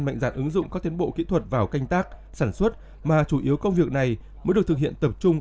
mạnh dạn ứng dụng các tiến bộ kỹ thuật vào canh tác sản xuất mà chủ yếu công việc này mới được thực hiện tập trung